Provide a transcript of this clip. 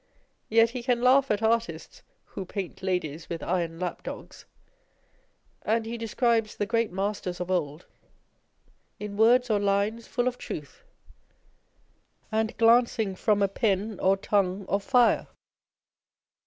Yet he can laugh at artists who " paint ladies with iron lapdogs ;" and he describes the great masters of old in words or lines full of truth, and glancing from a pen or tongue of fire.